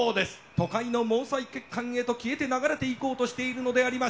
都会の毛細血管へと消えて流れていこうとしているのでありましょうか？